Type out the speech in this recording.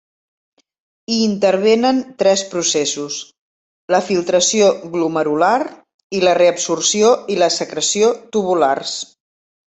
Hi intervenen tres processos: la filtració glomerular i la reabsorció i la secreció tubulars.